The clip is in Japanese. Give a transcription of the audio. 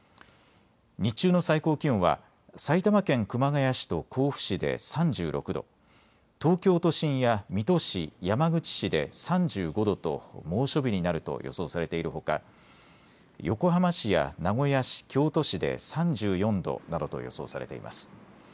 日中の最高気温は埼玉県熊谷市と甲府市で３６度、東京都心や水戸市、山口市で３５度と猛暑日になると予想されているほか横浜市や名古屋市、京都市で３４度などと予想されています。